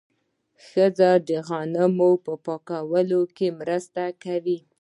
ښځې د غنمو په پاکولو کې مرسته کوي.